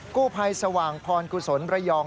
กู้ภัยสว่างพรกุศลระยอง